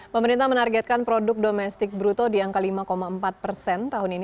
pemerintah menargetkan produk domestik bruto di angka lima empat persen tahun ini